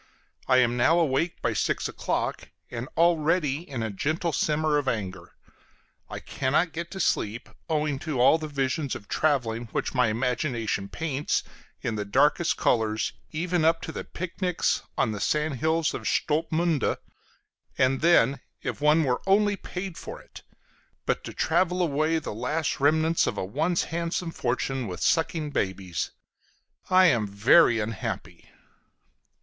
I am now awake by six o'clock, and already in a gentle simmer of anger; I cannot get to sleep, owing to all the visions of traveling which my imagination paints in the darkest colors, even up to the "picnics" on the sandhills of Stolpmünde. And then if one were only paid for it! But to travel away the last remnants of a once handsome fortune with sucking babies! I am very unhappy!